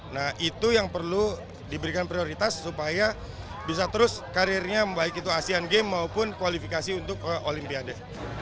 nah itu yang perlu diberikan prioritas supaya bisa terus karirnya baik itu asean games maupun kualifikasi untuk olimpiade